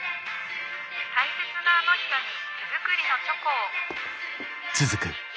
「大切なあの人に手作りのチョコを。